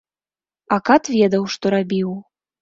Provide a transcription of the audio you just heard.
А кат ведаў, што рабіў.